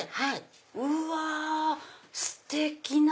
うわステキな。